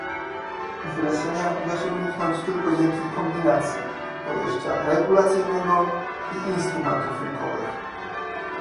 Wylesiania uda się uniknąć tylko dzięki kombinacji podejścia regulacyjnego i instrumentów rynkowych